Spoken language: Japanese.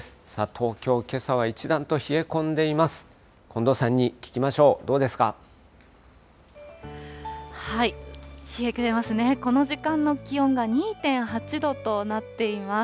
東京、けさは一段と冷え込んでいます。